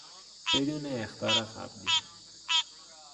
بدون اخطار قبلی